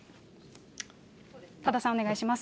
多田さん、お願いします。